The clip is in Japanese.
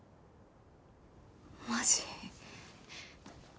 マジ？